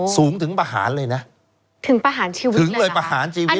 สูงถึงประหารเลยนะถึงประหารชีวิตถึงเลยประหารชีวิต